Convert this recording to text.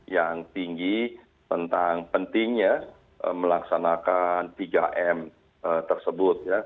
yang tinggi tentang pentingnya melaksanakan tiga m tersebut